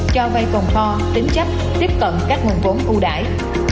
cho vay còn kho tính chấp tiếp cận các nguồn vốn ưu đải